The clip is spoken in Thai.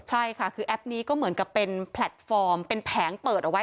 ใช่ค่ะคือแอปนี้ก็เหมือนกับเป็นแพลตฟอร์มเป็นแผงเปิดเอาไว้